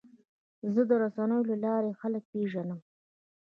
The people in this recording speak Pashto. زه د رسنیو له لارې خلک پېژنم.